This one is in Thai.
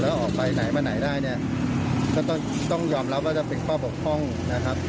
แล้วออกไปไหนมาไหนได้เนี่ยก็ต้องยอมรับว่าจะเป็นข้อบกพร่องนะครับ